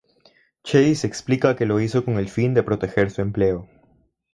Chase explica que lo hizo con el fin de proteger su empleo.